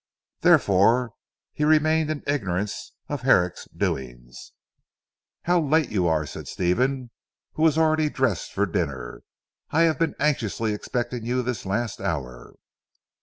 Therefore he remained in ignorance of Herrick's doings. "How late you are," said Stephen who was already dressed for dinner. "I have been anxiously expecting you this last hour!"